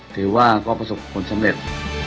ถือว่าก็ประสบผลสำเร็จ